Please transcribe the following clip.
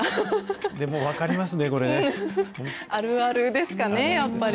でも分かりますね、あるあるですかね、やっぱり。